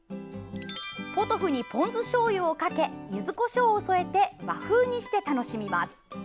ポトフにポン酢しょうゆをかけゆずこしょうを添えて和風にして楽しみます。